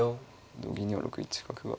同銀には６一角が。